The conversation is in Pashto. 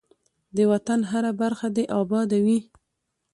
ده وطن هره برخه دی اباده وی.